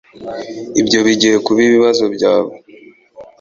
Ibyo bigiye kuba ibibazo byawe